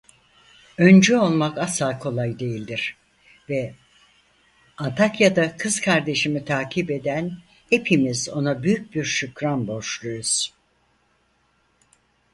Öncü olmak asla kolay değildir ve Antakya'da kız kardeşimi takip eden hepimiz ona büyük bir şükran borçluyuz.